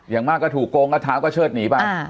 อย่างมากก็ถูกโกงก็เชิดหนีไป